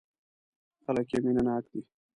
خلک یې مینه ناک دي.